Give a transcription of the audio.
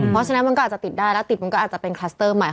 เพราะฉะนั้นมันก็อาจจะติดได้แล้วติดมันก็อาจจะเป็นคลัสเตอร์ใหม่